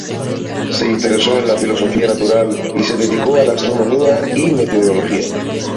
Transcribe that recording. Se interesó en la filosofía natural, y se dedicó a la astronomía y meteorología.